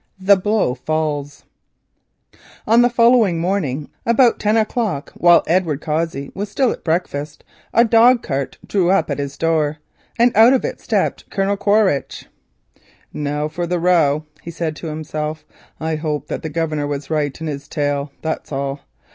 THE BLOW FALLS On the following morning, about ten o'clock, while Edward Cossey was still at breakfast, a dog cart drew up at his door and out of it stepped Colonel Quaritch. "Now for the row," said he to himself. "I hope that the governor was right in his tale, that's all.